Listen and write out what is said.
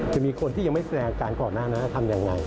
จะมีคนที่ยังไม่แสดงการกรอบนานาธรรมอย่างไร